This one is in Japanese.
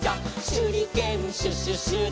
「しゅりけんシュシュシュで」